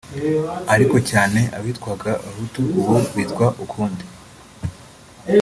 ariko cyane abitwaga abahutu (ubu bitwa ukundi)